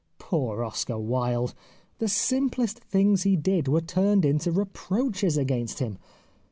Poor Oscar Wilde ! The simplest things he did were turned into reproaches against him.